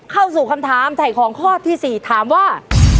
เข้าสู่คำถามถ่ายของข้อที่๔ถามว่า